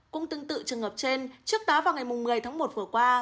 cũng tương tự trường hợp trên trước đó vào ngày một mươi tháng một vừa qua